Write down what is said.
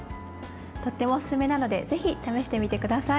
とってもおすすめなのでぜひ試してみてください。